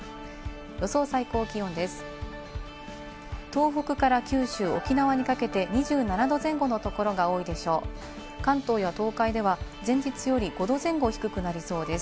予想最高気温です。